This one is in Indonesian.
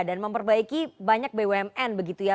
dan memperbaiki banyak bumn begitu ya